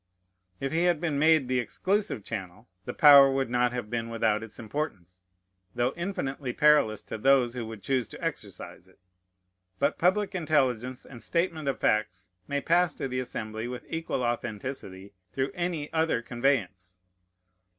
If he had been made the exclusive channel, the power would not have been without its importance, though infinitely perilous to those who would choose to exercise it. But public intelligence and statement of facts may pass to the Assembly with equal authenticity through any other conveyance.